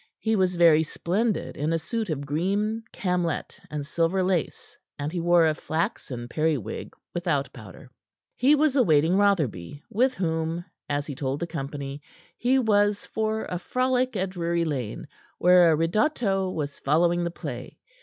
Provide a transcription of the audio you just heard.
He was very splendid in a suit of green camlett and silver lace, and he wore a flaxen periwig without powder. He was awaiting Rotherby, with whom as he told the company he was for a frolic at Drury Lane, where a ridotto was following the play.